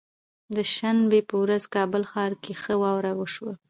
د شنبه به ورځ کابل ښار کې ښه واوره وشوه